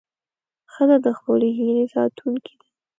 ښځه د خپلو هیلې ساتونکې ده.